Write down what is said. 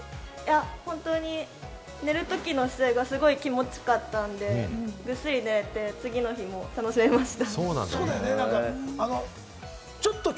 本当に寝るときの姿勢が気持ち良かったんで、ぐっすり眠れて次の日も楽しめました。